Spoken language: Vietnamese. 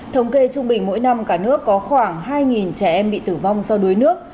thống kê trung bình mỗi năm cả nước có khoảng hai trẻ em bị tử vong do đuối nước